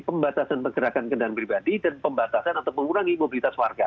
pembatasan pergerakan kendaraan pribadi dan pembatasan atau mengurangi mobilitas warga